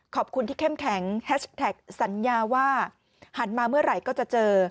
ขอบคุณที่เข้มแข็งแฮชแท็กสัญญาว่าหันมาเมื่อไหร่ก็จะเจอ